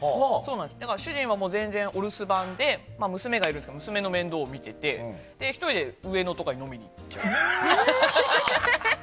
主人はお留守番で娘がいるので娘の面倒を見てて１人で上野とかに飲みに行っちゃう。